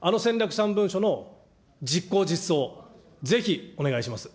３文書の実行実装、ぜひお願いします。